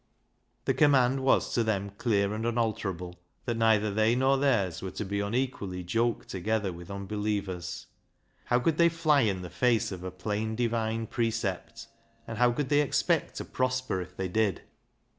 The command was to them clear and unalterable that neither they nor theirs were to be unequally joked together with unbelievers. How could they fly in the face of a plain Divine precept, and how could they expect to prosper if they did